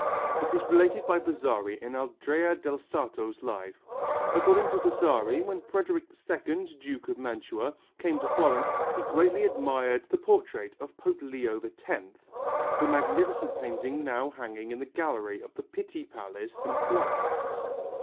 It is related by Vasari in Andrea del Sarto's life. According to Vasari when Frederick II, Duke of Mantua, came to Florence he greatly admired the portrait of Pope Leo X, the magnificent painting now hanging in the Gallery of the Pitti Palace in Florence.